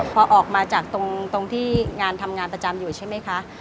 พอออกมาจากตรงที่งานทำงานประจำอยู่ใช่ไหมคะ